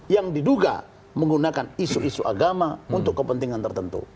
yang diduga menggunakan isu isu agama untuk kepentingan tertentu